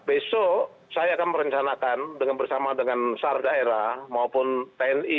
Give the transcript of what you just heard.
besok saya akan merencanakan bersama dengan sar daerah maupun tni